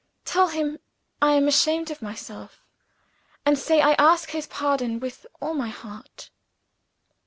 "Tell him I am ashamed of myself! and say I ask his pardon with all my heart!"